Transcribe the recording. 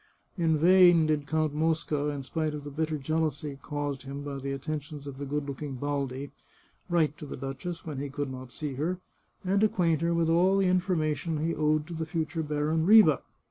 In vain did Count Mosca, in spite of the bitter jealousy caused him by the attentions of the good looking Baldi, write to the duchess when he could not see her, and acquaint her with all the information he owed to the future Baron Riva.